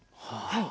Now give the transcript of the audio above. はい。